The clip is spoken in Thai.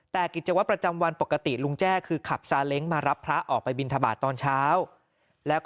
แต่กิจจัยวัดประจำวันปกติลุงแจ้คือขับซาเล็งส์มารับพระออกไปบิณฑบาตตอนเช้า